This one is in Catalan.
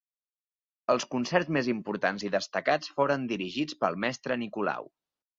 Els concerts més importants i destacats foren dirigits pel mestre Nicolau.